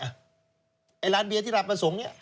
ไอ้ล้านเบียร์ที่รับมาส่งนี่